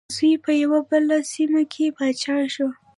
زوی په یوه بله سیمه کې پاچا شو.